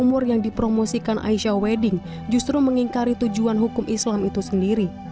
umur yang dipromosikan aisyah wedding justru mengingkari tujuan hukum islam itu sendiri